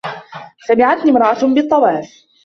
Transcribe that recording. سَمِعَتْنِي امْرَأَةٌ بِالطَّوَافِ